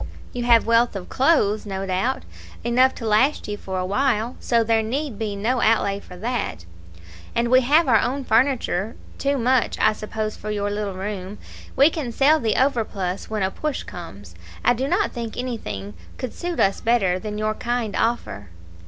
"You have wealth of clothes, no doubt; enough to last you for a while; so there need be no outlay for that." "And we have our own furniture too much, I suppose for your little room. We can sell the overplus when a push comes. I do not think anything could suit us better than your kind offer."